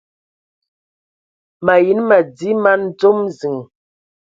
Mayi nə madi man dzom ziŋ.